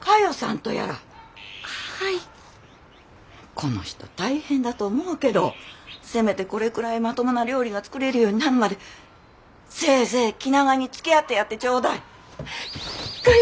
この人大変だと思うけどせめてこれくらいまともな料理が作れるようになるまでせいぜい気長につきあってやってちょうだい。かよ